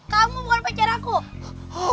kamu bukan pacar aku